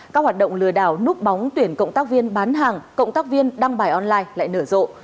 các hoạt động lừa đảo núp bóng tuyển cộng tác viên bán hàng cộng tác viên đăng bài online lại nở rộ